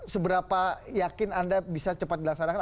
seberapa yakin anda bisa cepat dilaksanakan